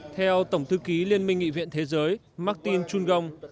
theo tổng thư ký liên minh nghị viện thế giới martin chungong